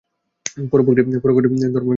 পরোপকারই ধর্ম, পরপীড়নই পাপ।